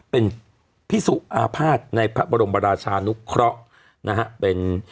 เป็นพิสุอาภาษณ์ในพระบรมราชานุเคราะห์นะฮะเป็น